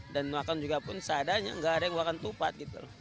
dan makan juga pun seadanya gak ada yang makan tupat gitu